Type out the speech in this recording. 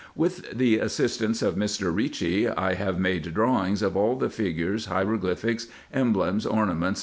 With the assistance of Mr. Kicci, I have made drawings of all the figures, hieroglyphics, emblems, ornaments, &c.